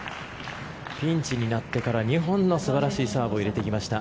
ピンチになってから２本の素晴らしいサーブを入れてきました。